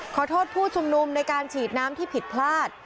ขอโทษผู้ชุมนุมในการฉีดน้ำที่ผิดพลาด